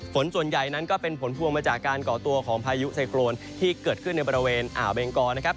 ฝนส่วนใหญ่นั้นก็เป็นผลพวงมาจากการก่อตัวของพายุไซโครนที่เกิดขึ้นในบริเวณอ่าวเบงกอนะครับ